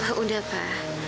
pak udah pak